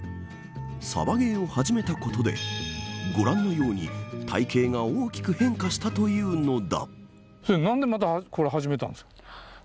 サバゲーを始めたことでご覧のように、体形が大きく変化したというのだ。